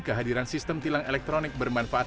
kehadiran sistem tilang elektronik bermanfaat